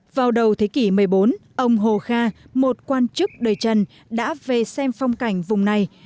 vào đầu thế kỷ một mươi bốn ông hồ kha một quan chức đời trần đã về xem phong cảnh vùng này